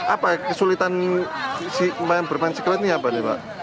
apa kesulitan bermain skilot ini apa pak